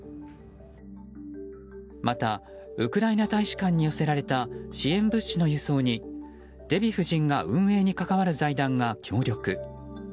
また、ウクライナ大使館に寄せられた支援物資の輸送にデヴィ夫人が運営に関わる財団が協力。